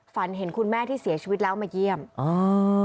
เห็นคุณแม่ที่เสียชีวิตแล้วมาเยี่ยมอ่า